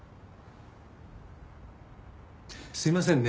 すいませんね